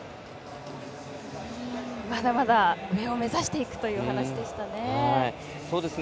まだまだ上を目指していくというお話でしたね。